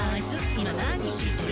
今何してる？」